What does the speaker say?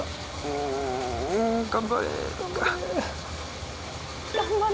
ん頑張れ。